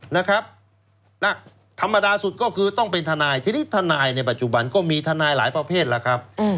นะครับธรรมดาสุดก็คือต้องเป็นทนายทีนี้ทนายในปัจจุบันก็มีทนายหลายประเภทแล้วครับ